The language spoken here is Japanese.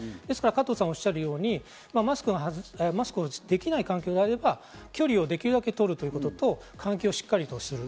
加藤さんがおっしゃるように、マスクをできない環境であれば距離をできるだけ取るということと換気をしっかりする。